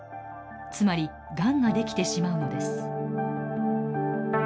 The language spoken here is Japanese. つまりがんが出来てしまうのです。